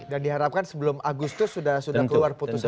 dan diharapkan sebelum agustus sudah keluar putusan